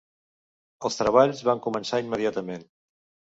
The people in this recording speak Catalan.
Els treballs van començar immediatament.